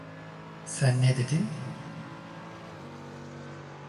Sen ne dedin?